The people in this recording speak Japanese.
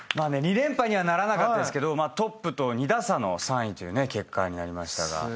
２連覇にはならなかったですがトップと２打差の３位という結果になりましたが。